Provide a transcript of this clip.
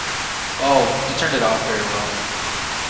Oh, he turned it off very well.